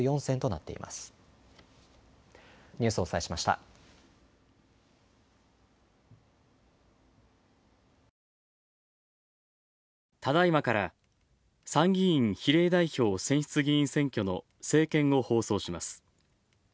ただいまから参議院比例代表選出議員選挙の政見を放送します。